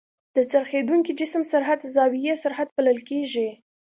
د څرخېدونکي جسم سرعت زاويي سرعت بلل کېږي.